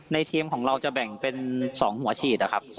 ทีมของเราจะแบ่งเป็น๒หัวฉีดนะครับ